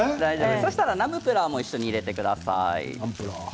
そうしたらナムプラーも一緒に入れてください。